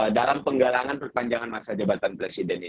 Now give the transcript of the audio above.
dalam penggalangan perpanjangan masa jabatan presiden ini